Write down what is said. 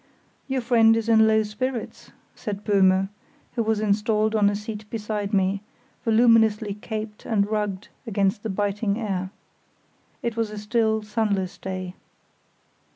"Your friend is in low spirits," said Böhme, who was installed on a seat beside me, voluminously caped and rugged against the biting air. It was a still, sunless day.